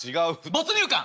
没入感。